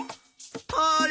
あれ？